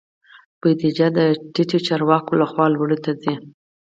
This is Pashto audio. بودیجه د ټیټو چارواکو لخوا لوړو ته ځي.